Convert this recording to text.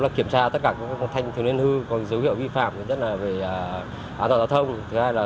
là tất cả các thanh thiếu niên hư có dấu hiệu vi phạm nhất là về an toàn giao thông thứ hai là